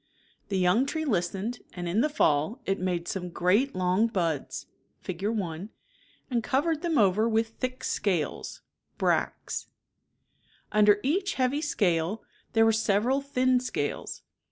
The young tree listened, and in the fall it made .some great long buds (Fig. i) and covered them over with thick scales {brads) Under each heavy scale, there were several thin scales.